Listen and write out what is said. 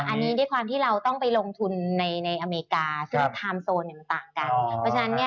อันนี้ด้วยความที่เราต้องไปลงทุนในอเมริกาซึ่งเทิมโซนมันต่างกัน